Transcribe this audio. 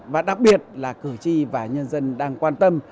và đặc biệt là cử tri và nhân dân đang quan tâm